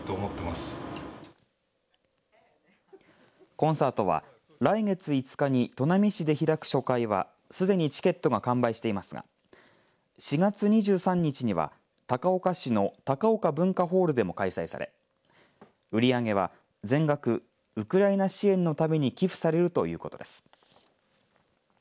コンサートは来月５日に砺波市で開く初回はすでにチケットが完売していますが４月２３日には高岡市の高岡文化ホールでも開催され売り上げは全額ウクライナ支援のために寄付されるということです。